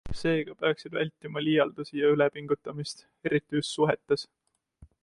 Seega peaksid vältima liialdusi ja ülepingutamist - eriti just suhetes.